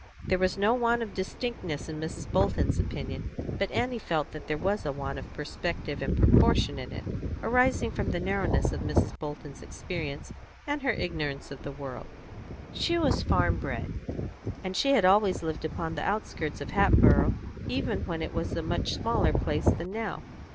There was no want of distinctness in Mrs. Bolton's opinion, but Annie felt that there was a want of perspective and proportion in it, arising from the narrowness of Mrs. Bolton's experience and her ignorance of the world; she was farm bred, and she had always lived upon the outskirts of Hatboro', even when it was a much smaller place than now.